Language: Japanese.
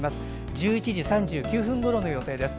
１１時３９分ごろの予定です。